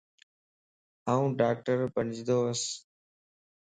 آن ڊاڪٽر بنجنڌوس